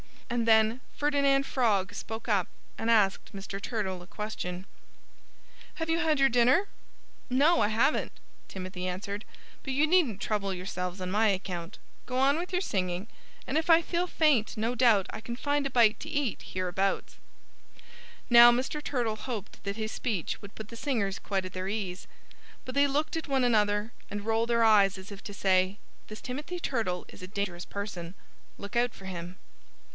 And then Ferdinand Frog spoke up and asked Mr. Turtle a question: "Have you had your dinner?" "No, I haven't," Timothy answered. "But you needn't trouble yourselves on my account. Go on with your singing. And if I feel faint no doubt I can find a bite to eat hereabouts." Now, Mr. Turtle hoped that his speech would put the singers quite at their ease. But they looked at one another and rolled their eyes as if to say, "This Timothy Turtle is a dangerous person. Look out for him!"